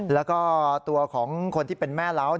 แล้วก็ตัวของคนที่เป็นแม่เล้า